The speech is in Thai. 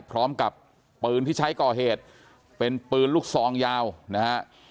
พร้อมกับปืนที่ใช้ก่อเหตุเป็นปืนลูกซองยาวนะฮะ